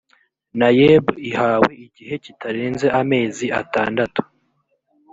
naeb ihawe igihe kitarenze amezi atandatu